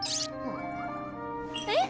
えっ？